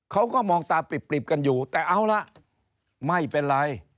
เขาก็มองตาปริบกันอยู่แต่เอาล่ะไม่เป็นไร